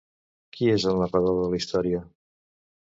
Qui és el narrador de la història?